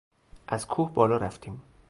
از کوه بالا رفتیم.